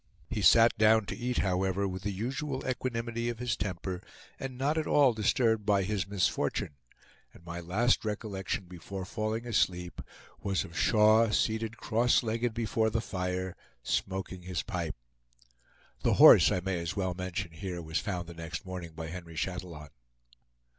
He sat down to eat, however, with the usual equanimity of his temper not at all disturbed by his misfortune, and my last recollection before falling asleep was of Shaw, seated cross legged before the fire, smoking his pipe. The horse, I may as well mention here, was found the next morning by Henry Chatillon.